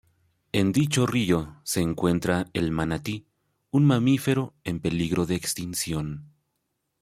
En dicho río se encuentra el manatí, un mamífero en peligro de extinción.